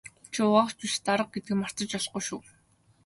Чи угаагч биш дарга гэдгээ мартаж болохгүй шүү.